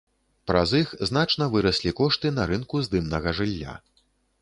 Праз іх значна выраслі кошты на рынку здымнага жылля.